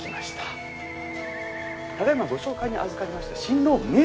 ただいまご紹介にあずかりました新郎明